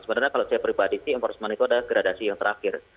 sebenarnya kalau saya pribadi sih enforcement itu adalah gradasi yang terakhir